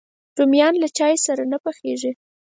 رومیان له چای سره نه پخېږي